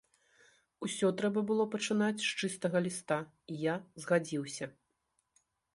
Усё трэба было пачынаць з чыстага ліста, і я згадзіўся.